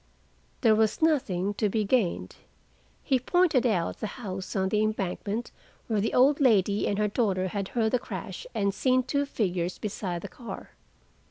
There was nothing to be gained. He pointed out the house on the embankment where the old lady and her daughter had heard the crash and seen two figures beside the car.